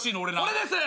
俺です！